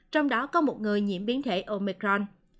trong đó có một người nhiễm biến thể omicron